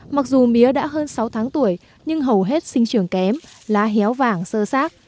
mặc dù mía đã hơn sáu tháng tuổi nhưng hầu hết sinh trường kém lá héo vàng sơ sát